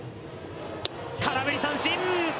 空振り三振！